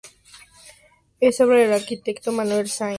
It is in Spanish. Es obra del arquitecto Manuel Sainz de Vicuña García-Prieto.